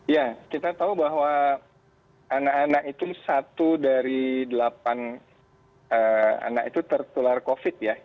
ya kita tahu bahwa anak anak itu satu dari delapan anak itu tertular covid ya